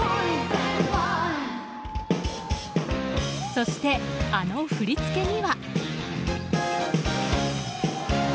そして、あの振り付けには。